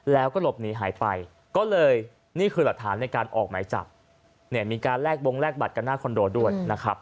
แล้วก็หลบหนีหายไปก็เลยนี่คือหลักฐานในการออกหมายจับเนี่ยมีการแลกบงแลกบัตรกันหน้าคอนโดด้วยนะครับ